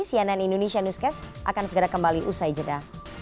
cnn indonesia newscast akan segera kembali usai jeda